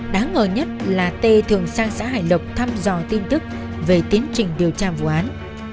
đáng ngờ nhất là t thường sang xã hải lộc thăm dò tin tức về tiến trình điều tra vụ án